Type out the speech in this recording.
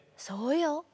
そうよ。